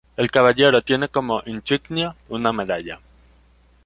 El Caballero tiene como insignias una medalla.